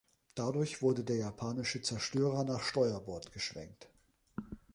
Dadurch wurde der japanische Zerstörer nach Steuerbord geschwenkt.